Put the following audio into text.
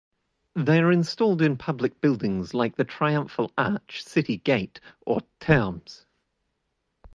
They are installed in public buildings like the Triumphal arch, City gate, or Thermes.